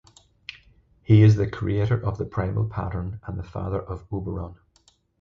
He is the creator of the Primal Pattern and father of Oberon.